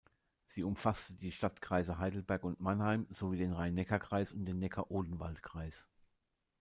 Sie umfasste die Stadtkreise Heidelberg und Mannheim sowie den Rhein-Neckar-Kreis und den Neckar-Odenwald-Kreis.